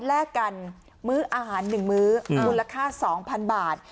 แลกกันมื้ออาหารหนึ่งมื้ออืมมูลค่าสองพันบาท